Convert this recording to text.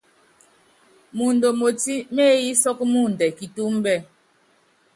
Mɔɔnd omotí meéyí sɔ́k mɔɔndɛ kitúmbɛ́.